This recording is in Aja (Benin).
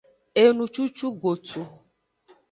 Enucucugotu.